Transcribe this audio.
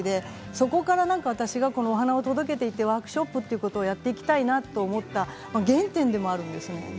そこから私はお花を届けていってワークショップをやっていきたいなと思った原点でもあります。